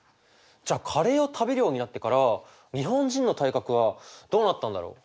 じゃあカレーを食べるようになってから日本人の体格はどうなったんだろう？